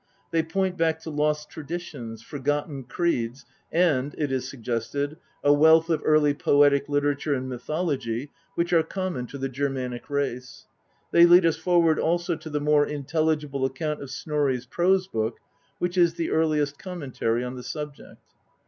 They point back to lost traditions, forgotten creeds, and, it is suggested, a wealth of early poetic literature and mythology which are common to the Germanic race : they lead us forward also to the more intelligible account of Snorri's prose book, which is the earliest commentary on the subject.